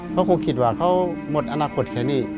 เขาคงคิดว่าเขาหมดอนาคตแค่นี้